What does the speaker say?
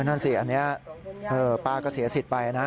นั่นสิอันนี้ป้าก็เสียสิทธิ์ไปนะ